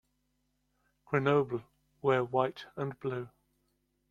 Grenoble wear white and blue.